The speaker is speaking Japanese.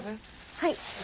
はい。